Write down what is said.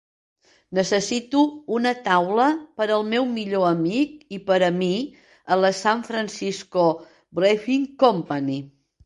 Necessito una taula per al meu millor amic i per a mi a la San Francisco Brewing Company.